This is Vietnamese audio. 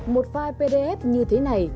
một file pdf như thế này